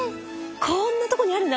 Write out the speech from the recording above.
こんなとこにあるの？